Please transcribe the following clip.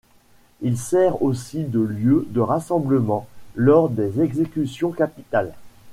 Il sert aussi de lieu de rassemblement lors des exécutions capitales.